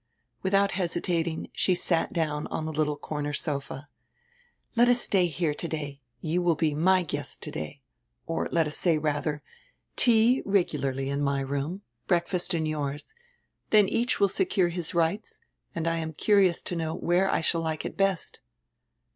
Without hesitating she sat down on a little corner sofa. "Let us stay here today; you will be my guest today. Or let us say, rather: Tea regularly in my room, breakfast in yours. Then each will secure his rights, and I am curious to know where I shall like it best."